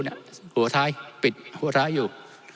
หัวท้ายปิดหัวร้ายอยู่